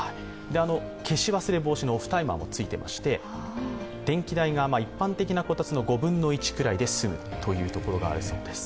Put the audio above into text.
消し忘れ防止のオフタイマーもついていまして電気代が一般的なこたつの５分の１ぐらいで済むということです。